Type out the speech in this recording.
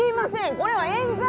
これはえん罪です！